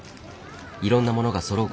いろんなものがそろう